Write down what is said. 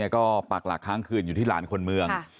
ก็ปากหลักค้างคืนอยู่ที่หลานคนเมือง